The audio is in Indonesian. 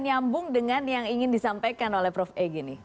nyambung dengan yang ingin disampaikan oleh prof e